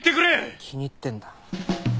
気に入ってんだ。